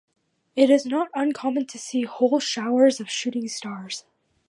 It is not uncommon to see whole showers of shooting stars.